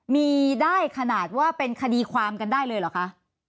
มีได้ขนาดว่าเป็นคดีความกันได้เลยเหรอคะ